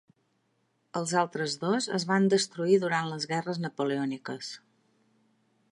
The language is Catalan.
Els altres dos es van destruir durant les Guerres Napoleòniques.